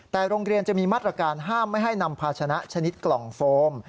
แต่โรงเรียนจะมีมาตรการห้ามไม่ให้นำภาชนะชนิดกล่องโฟม